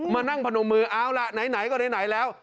มานั่งพนมมือเอาล่ะไหนก็ไหนแล้ว